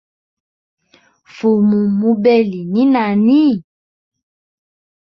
Fumu mubeli ni nani?